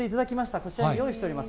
こちらに用意しております。